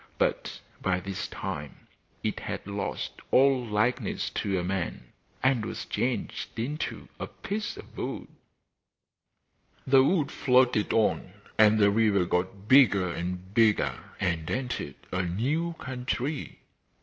But by this time it had lost all likeness to a man, and was changed into a piece of wood. The wood floated on, and the river got bigger and bigger and entered a new country.